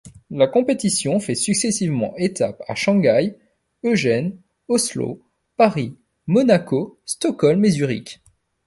La compétition fait successivement étape à Shanghai, Eugene, Oslo, Paris, Monaco, Stockholm et Zurich.